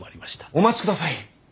お待ちください。